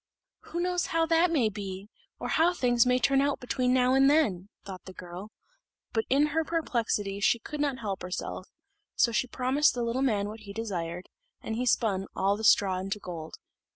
"Who knows how that may be, or how things may turn out between now and then?" thought the girl, but in her perplexity she could not help herself: so she promised the little man what he desired, and he spun all the straw into gold.